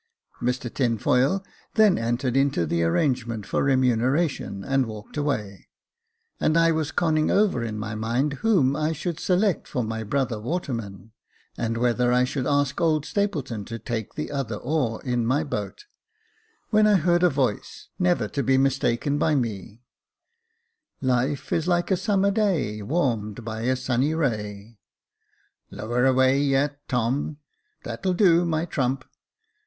Mr Tinfoil then entered into the arrangement for re muneration, and walked away ; and I was conning over in my mind whom I should select from my brother watermen, and whether I should ask old Stapleton to take the other oar in my boat, when I heard a voice, never to be mistaken by me :—" Life is like a summer day, Warmed by a sunny ray." " Lower away yet, Tom. That'll do, my trump.